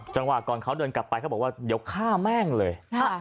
จังหวะก่อนเขาเดินกลับไปเขาบอกว่าเดี๋ยวฆ่าแม่งเลย